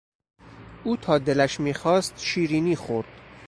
او تا دلش میخواست شیرینی خورد.